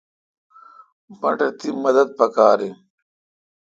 مٹھ تی مدد پکار این۔